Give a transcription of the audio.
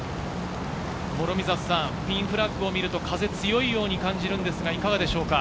諸見里さん、右のフラッグを見ると、風が強いように感じるんですが、いかがでしょうか？